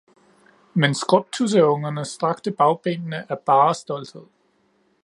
Men skrubtudseungerne strakte bagbenene af bare stolthed